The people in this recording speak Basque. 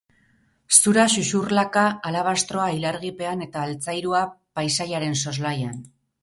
Zura xuxurlaka, alabastroa ilargipean eta altzairua paisaiaren soslaian.